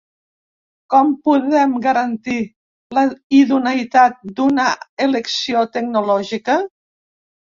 Com podem garantir la idoneïtat d’una elecció tecnològica?